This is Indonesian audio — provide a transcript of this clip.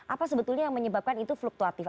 apa sebetulnya yang menyebabkan itu fluktuatif